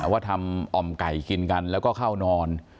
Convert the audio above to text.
ว่าทำอ่อมไก่กินกันแล้วก็เข้านอน